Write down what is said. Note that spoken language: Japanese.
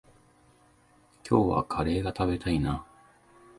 今日はカレーが食べたいな。